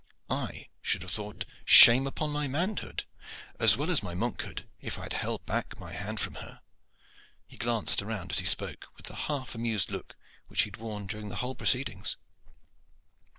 I should have thought shame upon my manhood, as well as my monkhood, if I had held back my hand from her." He glanced around as he spoke with the half amused look which he had worn during the whole proceedings.